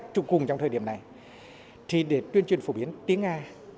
chụp cùng trong thời điểm này thì để tuyên truyền phổ biến tiếng nga